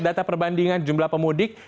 data perbandingan jumlah pemudik